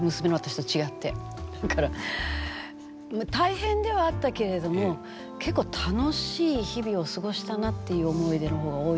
だから大変ではあったけれども結構楽しい日々を過ごしたなっていう思い出の方が多いですね。